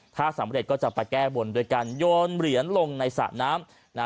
ถ้าสำเร็จก็จะไปแก้บนด้วยการโยนเหรียญลงในสระน้ำ